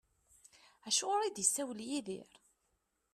Acuɣer i d-isawel Yidir?